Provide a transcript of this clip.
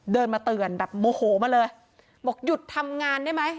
เดินมาเตือนแบบโมโหมาเลยบอกหยุดทำงานได้ไหม